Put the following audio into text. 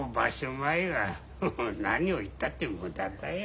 前は何を言ったって無駄だよ。